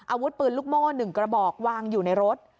อาวุธปืนลูกโม่๑กระบอกวางอยู่ในรถ